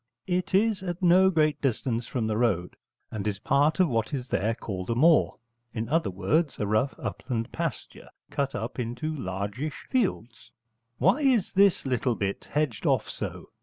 It is at no great distance from the road, and is part of what is there called a moor, in other words, a rough upland pasture cut up into largish fields. 'Why is this little bit hedged off so?'